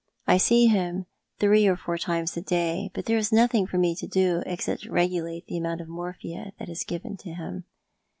I see him three or four times a day, but there is nothing for me to do except regulate the amount of morphia that is given to him.